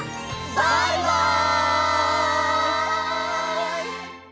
バイバイ！